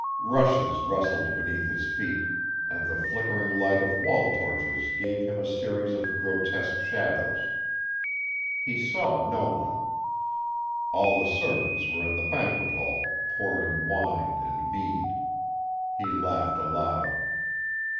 Rushes rustled beneath his feet, and the flickering light of wall torches gave him a series of grotesque shadows. He saw no one: all the servants were in the banquet hall, pouring wine and mead. He laughed aloud.